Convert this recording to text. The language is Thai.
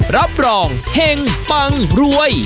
รับรองเห็งปังรวย